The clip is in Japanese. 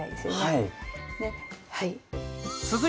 はい。